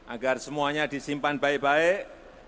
agar semuanya disimpan baik baik